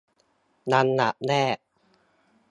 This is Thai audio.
อันดับแรก